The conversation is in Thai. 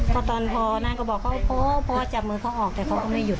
ก็ตอนพอนั่นก็บอกเขาพอพอจับมือเขาออกแต่เขาก็ไม่หยุดนะ